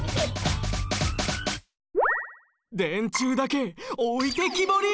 電柱だけおいてきぼり！